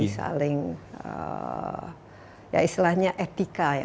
saling ya istilahnya etika ya